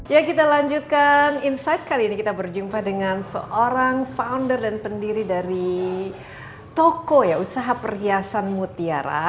ya kita lanjutkan insight kali ini kita berjumpa dengan seorang founder dan pendiri dari toko ya usaha perhiasan mutiara